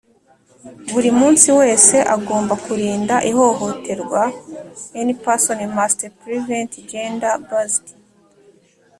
Buri muntu wese agomba kurinda ihohoterwa Any person must prevent gender based